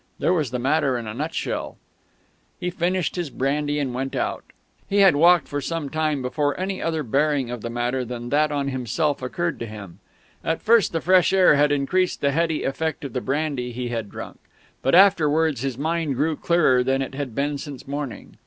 There was the matter in a nutshell. He finished his brandy and went out. He had walked for some time before any other bearing of the matter than that on himself occurred to him. At first, the fresh air had increased the heady effect of the brandy he had drunk; but afterwards his mind grew clearer than it had been since morning.